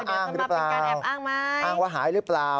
อ้างหรือเปล่าอ้างว่าหายหรือเปล่า